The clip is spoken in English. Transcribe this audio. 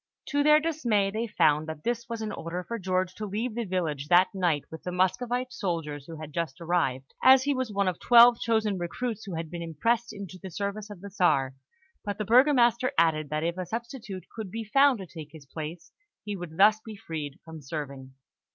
To their dismay, they found that this was an order for George to leave the village that night with the Muscovite soldiers who had just arrived, as he was one of twelve chosen recruits who had been impressed into the service of the Czar; but the Burgomaster added that if a substitute could be found to take his place, he would thus be freed from serving.